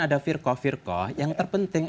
ada firkoh firkoh yang terpenting